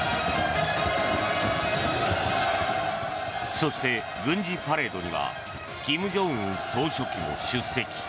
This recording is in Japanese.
そして、軍事パレードには金正恩総書記も出席。